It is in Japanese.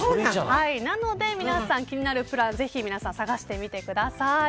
なので皆さん、気になるプラン探してみてください。